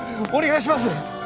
お願いします